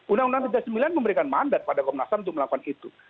undang undang tiga puluh sembilan memberikan mandat pada komnas ham untuk melakukan itu